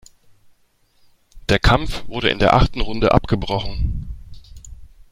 Der Kampf wurde in der achten Runde abgebrochen.